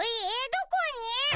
どこに？